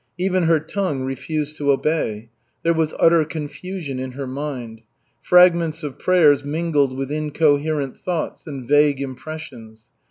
Even her tongue refused to obey. There was utter confusion in her mind. Fragments of prayers mingled with incoherent thoughts and vague impressions.